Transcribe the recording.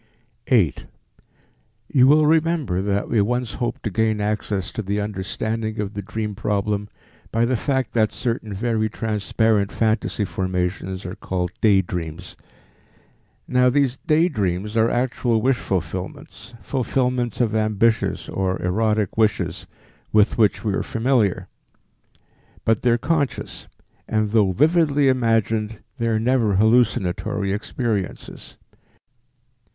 8. You will remember that we once hoped to gain access to the understanding of the dream problem by the fact that certain very transparent phantasy formations are called day dreams. Now these day dreams are actual wish fulfillments, fulfillments of ambitious or erotic wishes with which we are familiar; but they are conscious, and though vividly imagined, they are never hallucinatory experiences.